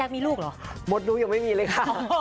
มดลูกยังไม่มีเลยค่ะ